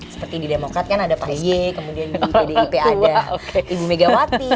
seperti di demokrat kan ada pak y kemudian di pdip ada ibu megawati